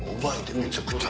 めちゃくちゃ。